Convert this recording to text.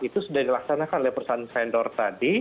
itu sudah dilaksanakan oleh perusahaan vendor tadi